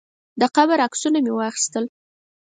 د قبر عکسونه مې واخیستل.